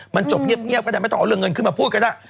มันจบเงียบก็ได้ไม่ต้องเอาเรื่องเงินขึ้นมาพูดก็ได้